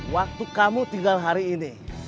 waktu kamu tinggal hari ini